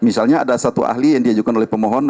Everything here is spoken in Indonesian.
misalnya ada satu ahli yang diajukan oleh pemohon